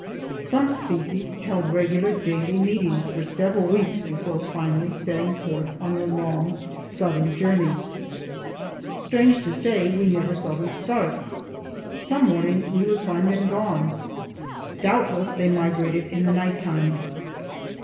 Some species held regular daily meetings for several weeks before finally setting forth on their long southern journeys. Strange to say, we never saw them start. Some morning we would find them gone. Doubtless they migrated in the night time.